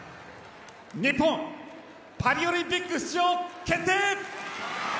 日本パリオリンピック出場決定。